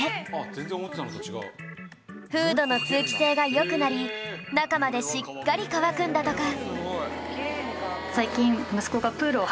フードの通気性が良くなり中までしっかり乾くんだとか